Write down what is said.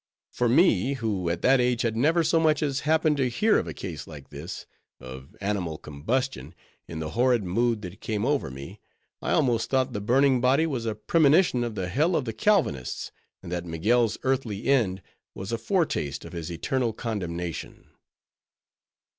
For me, who at that age had never so much as happened to hear of a case like this, of animal combustion, in the horrid mood that came over me, I almost thought the burning body was a premonition of the hell of the Calvinists, and that Miguel's earthly end was a foretaste of his eternal condemnation.